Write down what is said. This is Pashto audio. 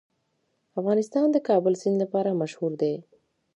افغانستان د د کابل سیند لپاره مشهور دی.